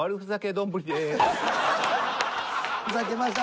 ふざけました。